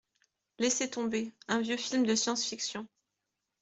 Laissez tomber, un vieux film de science-fiction.